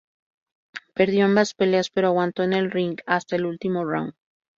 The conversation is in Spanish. Perdió ambas peleas pero aguantó en el ring hasta el último round.